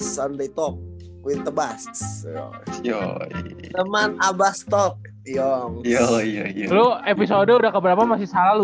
sunday talk with the bass yo yo teman abbas talk yong episode udah keberapa masih salah lu